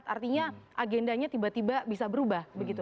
artinya agendanya tiba tiba bisa berubah begitu